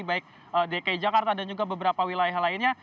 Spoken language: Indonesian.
baik dki jakarta dan juga beberapa wilayah lainnya